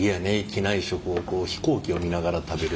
機内食を飛行機を見ながら食べる。